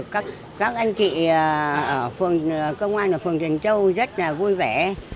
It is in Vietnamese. các anh chị ở phường công an phường tiền châu rất vui vẻ